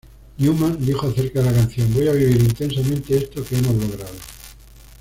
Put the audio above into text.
Newman dijo acerca de la canción: "Voy a vivir intensamente esto que hemos logrado.